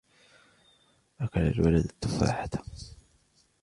أكل الولد التفاحة